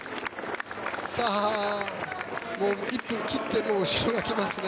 １分切って後ろが来ますね。